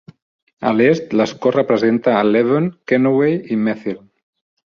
A l'est, l'escó representa a Leven, Kennoway i Methil.